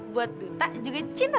bentar aja ya